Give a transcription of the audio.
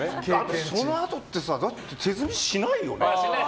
そのあとって手積みしないよね。